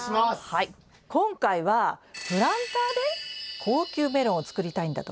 今回はプランターで高級メロンを作りたいんだとか？